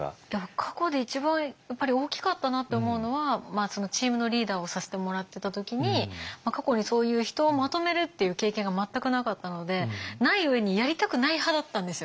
過去で一番大きかったなと思うのはチームのリーダーをさせてもらってた時に過去にそういう人をまとめるっていう経験が全くなかったのでない上にやりたくない派だったんですよ。